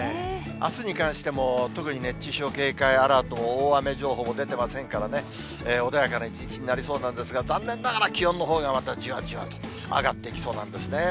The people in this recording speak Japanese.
あすに関しても、特に熱中症警戒アラートも、大雨情報も出てませんからね、穏やかな一日になりそうなんですが、残念ながら気温のほうがまたじわじわと上がってきそうなんですね。